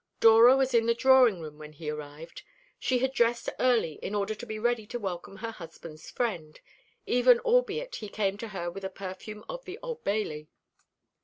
Dora was in the drawing room when he arrived. She had dressed early in order to be ready to welcome her husband's friend; even albeit he came to her with a perfume of the Old Bailey.